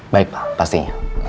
baik pak pastinya